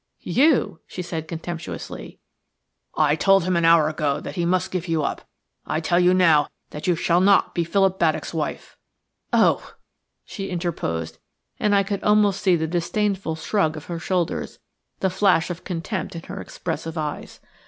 "You?" she said contemptuously. "I told him an hour ago that he must give you up. I tell you now that you shall not be Philip Baddock's wife." "Oh!" she interposed. And I could almost see the disdainful shrug of her shoulders, the flash of contempt in her expressive eyes.